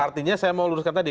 artinya saya mau luruskan tadi